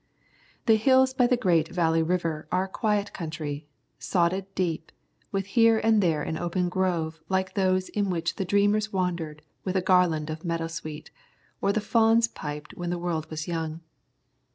The hills by the great Valley River are a quiet country, sodded deep, with here and there an open grove like those in which the dreamers wandered with a garland of meadowsweet, or the fauns piped when the world was young.